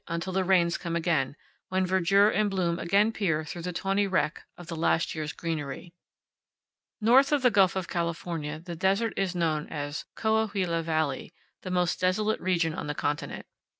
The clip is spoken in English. until the rains come again, when verdure and bloom again peer through the tawny wreck of the last year's greenery. North of the Gulf of California the desert is known as "Coahuila Valley," the most desolate region on the continent.